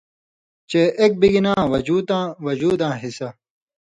چے ایک بِگ ناں وجوتاں (وجوداں) حِصہ۔